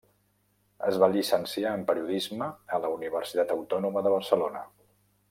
Es va llicenciar en Periodisme a la Universitat Autònoma de Barcelona.